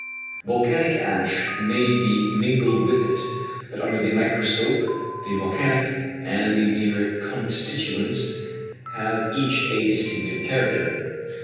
Volcanic ash may be mingled with it, but under the microscope the volcanic and the meteoric constituents have each a distinctive character.